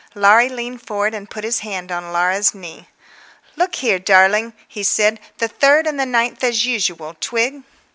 Laurie leaned forward and put his hand on Laura's knee. "Look here, darling," he said. "The third and the ninth as usual. Twig?"